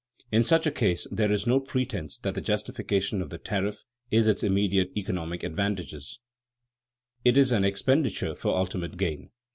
In such a case there is no pretense that the justification of the tariff is its immediate economic advantages; it is an expenditure for ultimate gain.